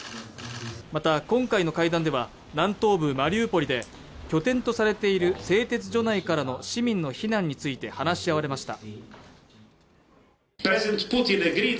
また今回の会談では南東部マリウポリで拠点とされている製鉄所内からの市民の避難について話し合われました